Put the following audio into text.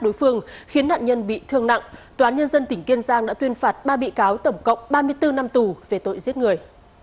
đối phương khiến nạn nhân bị thương nặng tòa nhân dân tỉnh kiên giang đã tuyên phạt ba bị cáo tổng cộng ba mươi bốn năm tù về tội giết người